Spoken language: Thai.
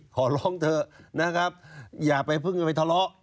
ขอร้องเถอะนะครับอย่าไปเพิ่งจะไปทะเลาะ